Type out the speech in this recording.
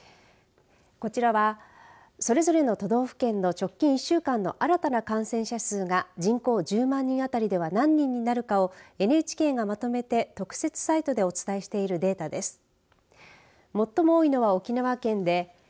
こちらはそれぞれの都道府県の直近１週間の新たな感染者数が人口１０万人あたりでは何人になるかをＮＨＫがまとめて特設サイトでお伝えしているデータです。